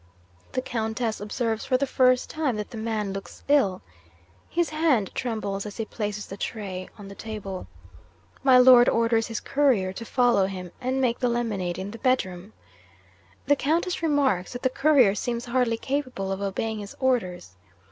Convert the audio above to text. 'The Countess observes for the first time that the man looks ill. His hands tremble as he places the tray on the table. My Lord orders his Courier to follow him, and make the lemonade in the bedroom. The Countess remarks that the Courier seems hardly capable of obeying his orders.